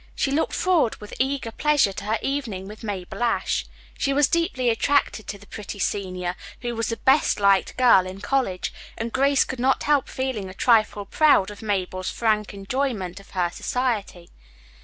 She looked forward with eager pleasure to her evening with Mabel Ashe. She was deeply attached to the pretty senior, who was the best liked girl in college, and Grace could not help feeling a trifle proud of Mabel's frank enjoyment of her society.